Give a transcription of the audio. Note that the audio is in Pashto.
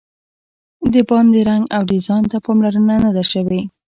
د باندې رنګ او ډیزاین ته پاملرنه نه ده شوې.